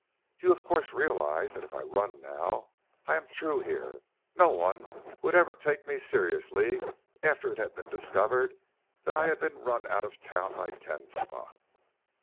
You of course realize that if I run now I am through here no one would ever take me seriously after it had been discovered that I had been run out of town by Ten Spot."